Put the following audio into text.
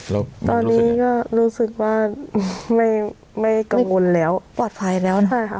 เราเราตอนนี้ก็รู้สึกว่าไม่ไม่กังวลแล้วปลอดภัยแล้วใช่ค่ะ